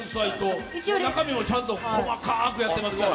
中身もちゃんと細かくやってますから。